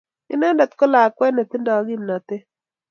Inendet ko lakwet netindo kimnatet.